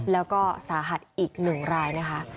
แล้วก็สาหัสอีก๑รายนะคะ